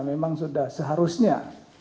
memang sudah seharusnya